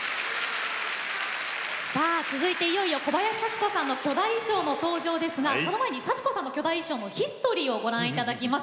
続いてはいよいよ小林幸子さんの巨大衣装の登場ですがその前に幸子さんの巨大衣装のヒストリーをご覧いただきます。